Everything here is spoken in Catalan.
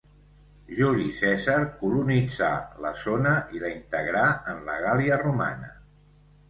Juli Cèsar colonitzà la zona i la integrà en la Gàl·lia romana.